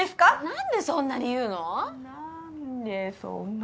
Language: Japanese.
何でそんなに言うの？